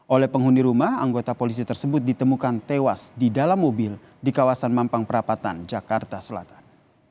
oleh penghuni rumah anggota polisi tersebut ditemukan tewas di dalam mobil di kawasan mampang perapatan jakarta selatan